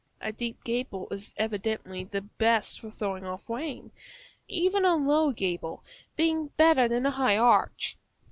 A deep gable is evidently the best for throwing off rain; even a low gable being better than a high arch.